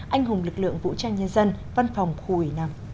anh hùng lực lượng vũ trang nhân dân văn phòng khu ủy năm